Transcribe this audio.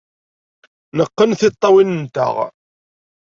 Neqqen tiṭṭawin-nteɣ.